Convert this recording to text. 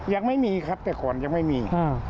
ยังไม่มีครับแต่ก่อนยังไม่มี